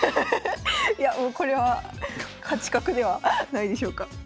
いやもうこれは勝ち確ではないでしょうか。